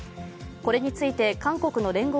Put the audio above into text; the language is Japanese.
これについて韓国の聯合